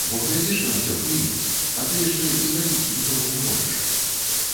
Бо глядзіш на ўсё, клініць, а ты яшчэ і зрабіць нічога не можаш.